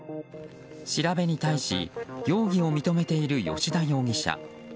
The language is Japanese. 調べに対し、容疑を認めている吉田容疑者。